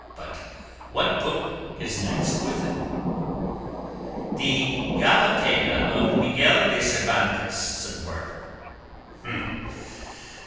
But what book is that next it?" "The 'Galatea' of Miguel de Cervantes," said the barber.